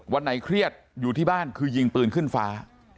วันไหนเครียดอยู่ที่บ้านคือยิงปืนขึ้นฟ้า